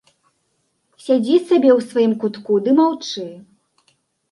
Сядзі сабе ў сваім кутку ды маўчы.